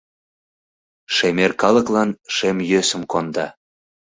Шемер калыклан шем йӧсым конда.